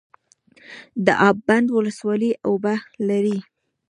د اب بند ولسوالۍ اوبه لري